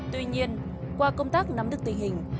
tuy nhiên qua công tác nắm được tình hình